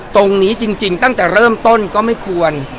ตรงนี้จริงตั้งแต่เริ่มต้นก็ไม่ควร